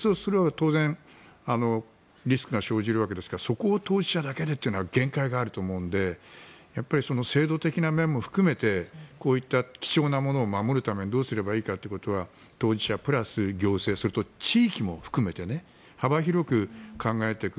それは当然リスクが生じるわけですがそこを当事者だけでというのは限界があると思うので制度的な面も含めてこういった貴重なものを守るためにどうすればいいかということは当事者プラス行政それと、地域も含めて幅広く考えていく。